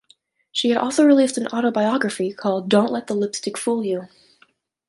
She had also released an autobiography called "Don't Let the Lipstick Fool You".